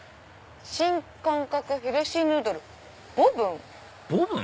「新感覚ヘルシーヌードルボブン」？